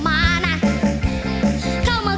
ไม่น่าเชื่อ